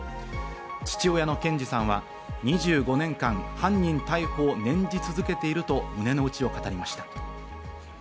父親の賢二さんは２５年間、犯人逮捕を念じ続けていると胸の内を語りました。